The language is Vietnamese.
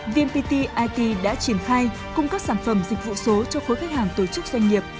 vnpt it đã triển khai cung cấp sản phẩm dịch vụ số cho khối khách hàng tổ chức doanh nghiệp